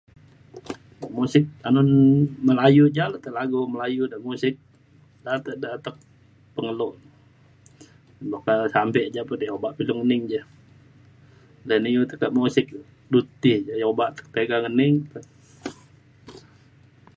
muzik anun Melayu ja le te lagu Melayu de muzik de atek de atek pengelo. buk ka sampe ja pa di obak pa ngening ja. de iu tekak muzik du ti obak tiga ngening.